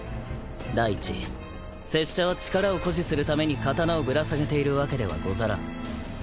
第一拙者は力を誇示するために刀をぶら下げているわけではござらん。